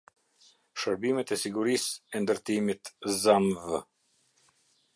Shërbimet e sigurisë e ndërtimit zamv